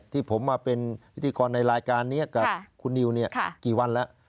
ที่ผมมาเป็นพิธีกรในรายการนี้กับคุณนิวกี่วันแล้ว